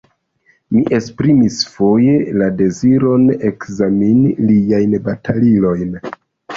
Mi esprimis foje la deziron ekzameni liajn batalilojn.